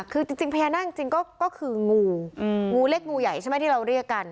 คือจริงพญานาคจริงก็คืองูงูเล็กงูใหญ่ใช่ไหมที่เราเรียกกัน